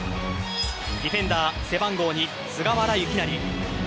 ディフェンダー背番号２・菅原由勢。